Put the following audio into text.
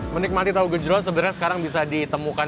menikmati tahu gejron sebenarnya sekarang bisa ditemukan